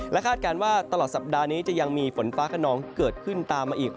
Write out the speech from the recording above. คาดการณ์ว่าตลอดสัปดาห์นี้จะยังมีฝนฟ้าขนองเกิดขึ้นตามมาอีก